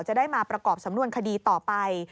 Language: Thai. จะได้มาประกอบสำนวนคดีต่อไป